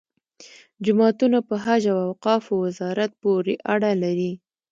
جوماتونه په حج او اوقافو وزارت پورې اړه لري.